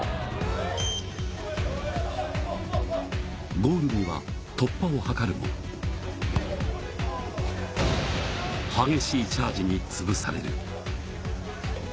ゴール際、突破を図るも、激しいチャージに潰される。